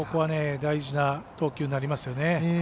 大事な投球になりますね。